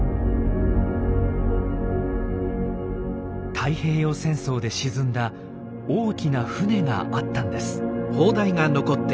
太平洋戦争で沈んだ大きな船があったんです。